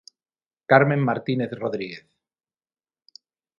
Carmen Martínez Rodríguez.